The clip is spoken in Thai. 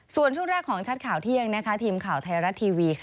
ส่วนช่วงแรกของชัดข่าวเที่ยงทีมข่าวไทยรัฐทีวี